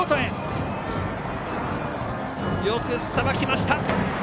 よくさばきました。